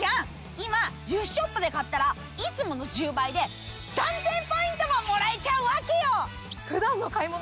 今１０ショップで買ったらいつもの１０倍で３，０００ポイントももらえちゃうわけよ！